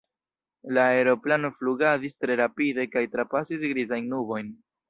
La aeroplano flugadis tre rapide kaj trapasis grizajn nubojn.